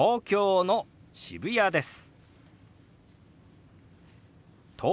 東京の渋谷です。